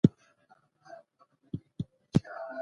دا لړزه یوازې د ژبې ستونزه نه وه.